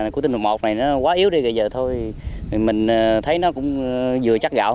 của tình hồn một này nó quá yếu đi giờ thôi mình thấy nó cũng vừa chắc gạo